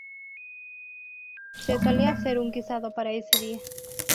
Se solía hacer un guisado para ese día.